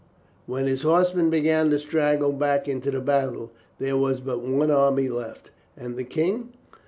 When his horsemen began to straggle back into the battle there was but one army left. And the King?